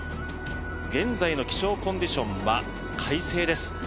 現在の気象コンディションは快晴です。